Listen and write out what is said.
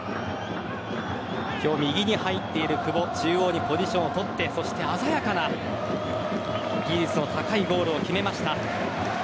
今日、右に入っている久保中央にポジションを取って鮮やかな技術の高いゴールを決めました。